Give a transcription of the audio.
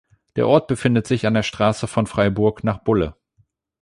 Der Ort befindet sich an der Strasse von Freiburg nach Bulle.